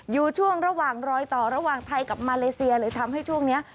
อยู่ช่วงระหว่างรอยต่อระหว่างไทยกับมาเลเซียเลยทำให้ช่วงนี้